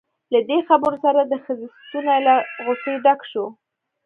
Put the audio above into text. له دې خبرو سره د ښځې ستونی له غصې ډک شو.